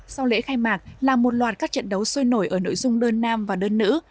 sau lễ khai mạc là một loạt các trận đấu sôi nổi ở nội dung đơn nam và đơn nữ